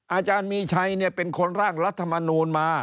อาจารย์มีชัยเป็นคนร่างรัฐมนูลมา